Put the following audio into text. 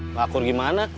gak akur gimana